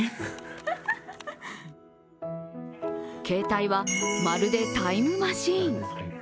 ケータイはまるでタイムマシーン。